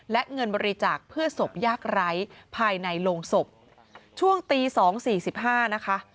และเงินบริจาคเพื่อศพยากไร้ภายในโรงศพช่วงตีสองสี่สิบห้านะคะ